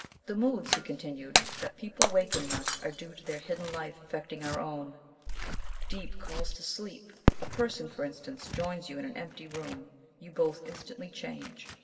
"The moods," he continued, "that people waken in us are due to their hidden life affecting our own. Deep calls to sleep. A person, for instance, joins you in an empty room: you both instantly change.